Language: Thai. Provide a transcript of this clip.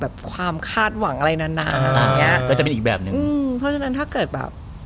แบบความคาดหวังอะไรนานานนานอืมเพราะฉะนั้นถ้าเกิดแบบ